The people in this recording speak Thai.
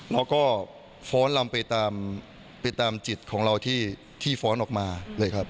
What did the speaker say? แล้วก็ฟ้อนลำไปตามจิตของเราที่ฟ้อนออกมาเลยครับ